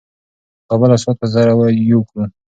کابل او سوات به سره یو کړو.